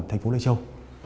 thành phố lây châu